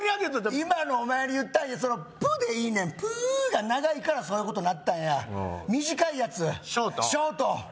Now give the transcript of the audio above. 今今のお前に言ったんやそのプッでいいねんプウーが長いからそういうことなったんやああ短いやつショートショート？